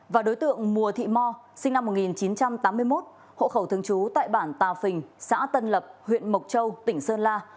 và đối tượng mùa thị mo sinh năm một nghìn chín trăm tám mươi một hộ khẩu thường trú tại bản tà phình xã tân lập huyện mộc châu tỉnh sơn la